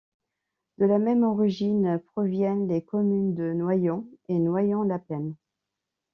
De la même origine provienne les communes de Noyant et Noyant-la-Plaine.